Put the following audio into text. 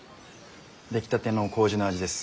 出来たての麹の味です。